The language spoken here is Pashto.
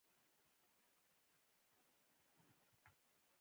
طالب حسین ښه پوخ او رسېدلی شاعر لا هم وو.